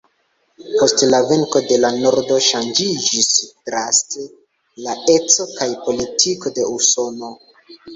Post la venko de la nordo ŝanĝiĝis draste la eco kaj politiko de Usono.